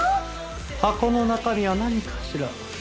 箱の中身は何かしら？